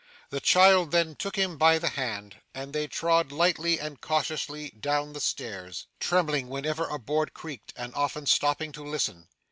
The child then took him by the hand, and they trod lightly and cautiously down the stairs, trembling whenever a board creaked, and often stopping to listen.